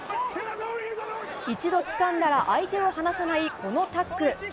一度つかんだら相手を離さないこのタックル。